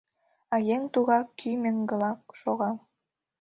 А Еҥ тугак кӱ меҥгыла шога.